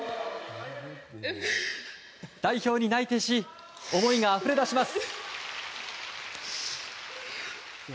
代表に内定し思いがあふれ出します。